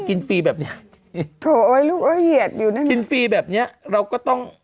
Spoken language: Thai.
กินฟรีแบบนี้โถโอ้ยลูกโอ้ยเหียดอยู่นั่นกินฟรีแบบนี้เราก็ต้อง